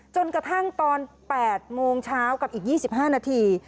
จนกระทั่งตอน๘โมงเช้ากับอีก๒๕นาที